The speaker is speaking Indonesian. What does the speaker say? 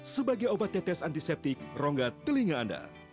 sebagai obat tetes antiseptik rongga telinga anda